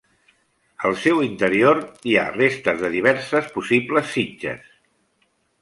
Al seu interior hi ha restes de diverses possibles sitges.